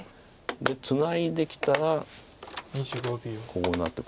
でツナいできたらこうなって。